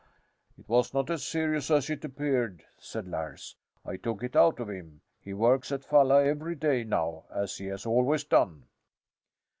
"It was not as serious as it appeared," said Lars. "I took it out of him. He works at Falla every day now, as he has always done."